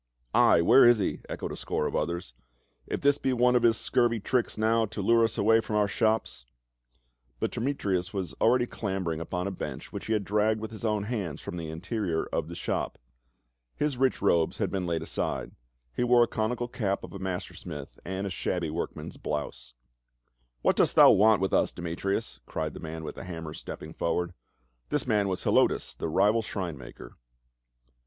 " Ay, where is he ?" echoed a score of others. " If this be one of his scurvy tricks now, to lure us away from our shops —" But Demetrius was already clambering upon a bench, which he had dragged with his own hands from the interior of the shop. His rich robes had been laid 368 PA UL. aside. He wore the conical cap of a ma ster smith and a shabby workman's blouse. "What dost thou want with us, Demetrius?" cried the man with the hammers, stepping forward. This man was Helotus, the rival shrine maker.